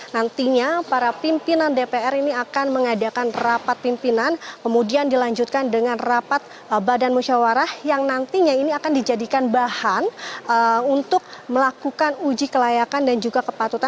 nantinya para pimpinan dpr ini akan mengadakan rapat pimpinan kemudian dilanjutkan dengan rapat badan musyawarah yang nantinya ini akan dijadikan bahan untuk melakukan uji kelayakan dan juga kepatutan